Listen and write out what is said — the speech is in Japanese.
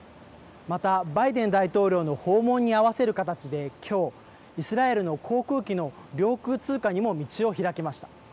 また、バイデン大統領の訪問に合わせる形できょう、イスラエルの航空機の領空通過にも道を開きました。